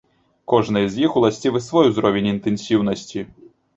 Кожнай з іх уласцівы свой узровень інтэнсіўнасці.